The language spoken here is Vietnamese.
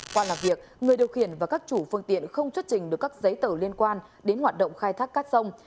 qua làm việc người điều khiển và các chủ phương tiện không xuất trình được các giấy tờ liên quan đến hoạt động khai thác cát sông